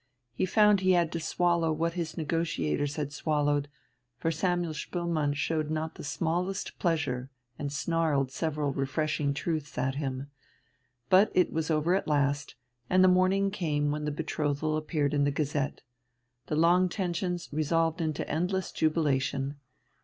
He found he had to swallow what his negotiators had swallowed, for Samuel Spoelmann showed not the smallest pleasure and snarled several refreshing truths at him. But it was over at last, and the morning came when the betrothal appeared in the Gazette. The long tensions resolved into endless jubilation.